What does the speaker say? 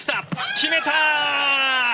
決めた！